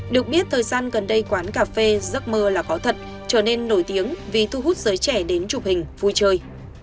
được biết thời gian gần đây quán cà phê giấc mơ là có thật trở nên nổi tiếng vì thu hút giới trẻ đến chụp hình vui chơi